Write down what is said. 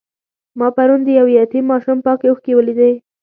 ما پرون د یو یتیم ماشوم پاکې اوښکې ولیدلې.